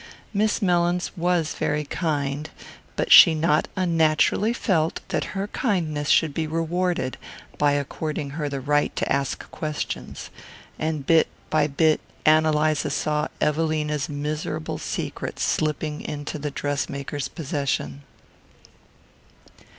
Miss Mellins was very kind; but she not unnaturally felt that her kindness should be rewarded by according her the right to ask questions; and bit by bit Ann Eliza saw Evelina's miserable secret slipping into the dress maker's possession.